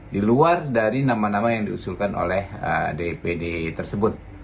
di luar dari nama nama yang diusulkan oleh dpd tersebut